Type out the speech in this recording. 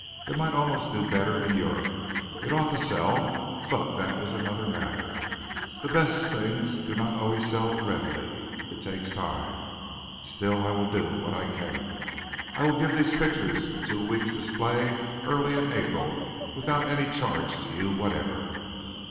It might almost do better in Europe. It ought to sell, but that is another matter. The best things do not always sell readily. It takes time. Still I will do what I can. I will give these pictures a two weeks' display early in April without any charge to you whatever."